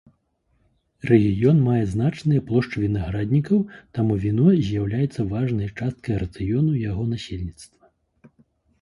Рэгіён мае значныя плошчы вінаграднікаў, таму віно з'яўляецца важнай часткай рацыёну яго насельніцтва.